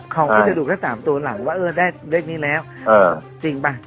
เขาก็จะดูแค่๓ตัวหลังว่าเออได้เลขนี้แล้วจริงป่ะ